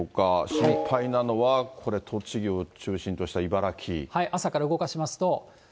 心配なのは、これ、栃木を中心と朝から動かしますと。